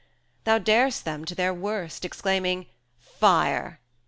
Thou dar'st them to their worst, exclaiming "Fire!"